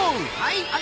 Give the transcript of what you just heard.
はい！